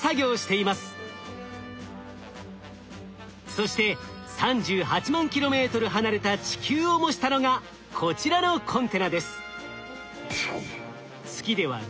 そして３８万ｋｍ離れた地球を模したのがこちらのコンテナです。